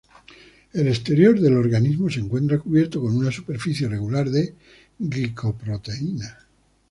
El exterior del organismo se encuentra cubierto con una superficie irregular de glicoproteínas.